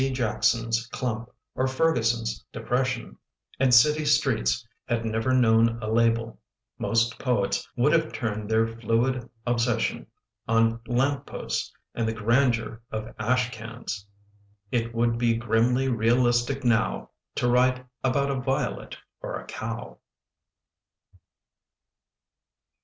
Jackson's Clump, or Ferguson's Depression — And city streets had never known a label, Most poets would have turned their fluid obsession On lamp posts and the grandeur of ash cans. It would be grimly realistic now To write about a violet or a cow.